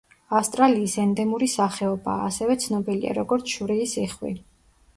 ავსტრალიის ენდემური სახეობაა, ასევე ცნობილია როგორც შვრიის იხვი.